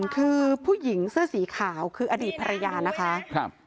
คือผู้หญิงเสื้อสีขาวคืออดีตภรรยานะคะ